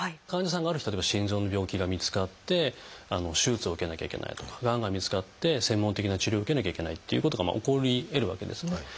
患者さんがある日例えば心臓の病気が見つかって手術を受けなきゃいけないとかがんが見つかって専門的な治療を受けなきゃいけないっていうことが起こりえるわけですね。